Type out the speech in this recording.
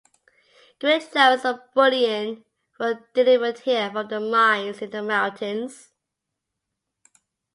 Great loads of bullion were delivered here from the mines in the mountains.